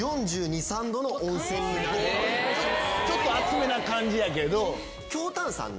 ちょっと熱めな感じやけど。